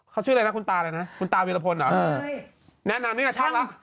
เขาชื่ออะไรนะคุณตาเลยนะคุณตามิรพนธรรมหรอแนะนำเนี่ยช่างละ